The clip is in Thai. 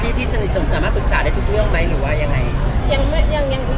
ที่สนิทสนสามารถปรึกษาได้ทุกเรื่องไหมหรือว่ายังไง